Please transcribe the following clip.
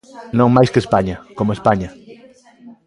Non máis que España, como España.